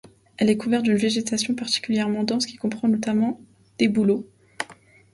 Elle est couverte d'une végétation particulièrement dense, qui comprend notamment des bouleaux.